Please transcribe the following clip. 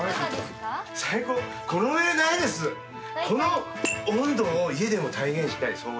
この温度を家でも再現したい。